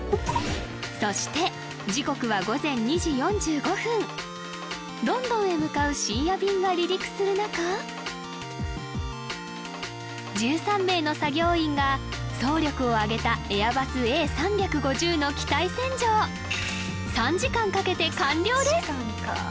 そして時刻は午前２時４５分ロンドンへ向かう深夜便が離陸する中１３名の作業員が総力を挙げたエアバスＡ３５０の機体洗浄３時間かけて完了です！